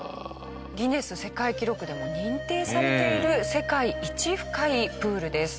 ギネス世界記録でも認定されている世界一深いプールです。